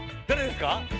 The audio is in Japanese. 誰ですか？